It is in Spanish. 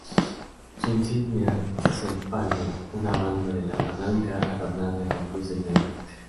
Su insignia es el "palio", una banda de lana blanca adornada con cruces negras.